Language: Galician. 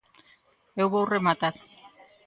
Eu vou rematar.